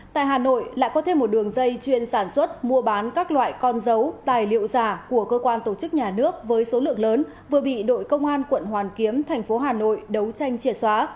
tại hà nội lại có thêm một đường dây chuyên sản xuất mua bán các loại con dấu tài liệu giả của cơ quan tổ chức nhà nước với số lượng lớn vừa bị đội công an quận hoàn kiếm thành phố hà nội đấu tranh triệt xóa